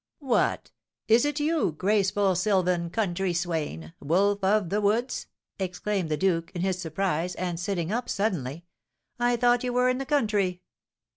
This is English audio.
"What! Is it you, graceful sylvan, country swain, wolf of the woods?" exclaimed the duke, in his surprise, and sitting up suddenly. "I thought you were in the country!"